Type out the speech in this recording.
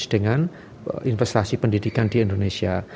dengan investasi pendidikan di indonesia